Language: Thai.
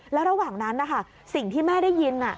แล้วระหว่างนั้นนะคะสิ่งที่แม่ได้ยิน